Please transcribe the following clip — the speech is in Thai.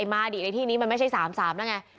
มาดิในที่นี้ไม่ใช่๓๓นะไง